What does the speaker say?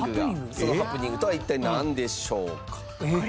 そのハプニングとは一体なんでしょうか？